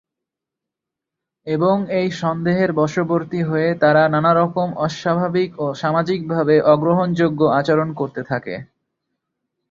এবং এই সন্দেহের বশবর্তী হয়ে তারা নানারকম অস্বাভাবিক ও সামাজিকভাবে অগ্রহণযোগ্য আচরণ করতে থাকে।